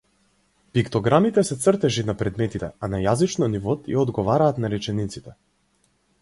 Пиктограмите се цртежи на предметите, а на јазично ниво тие одговараат на речениците.